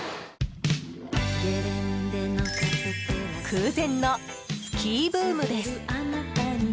空前のスキーブームです。